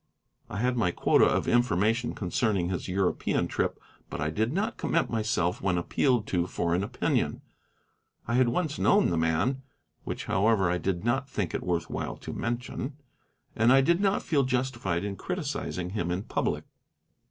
I had my quota of information concerning his European trip, but I did not commit myself when appealed to for an opinion. I had once known the man (which, however, I did not think it worth while to mention) and I did not feel justified in criticising him in public.